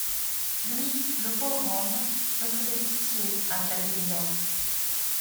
Lui, le pauvre homme, me faisait pitié, à claquer des dents.